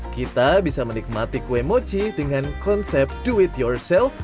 kita bisa menikmati kue mochi dengan konsep do it yourself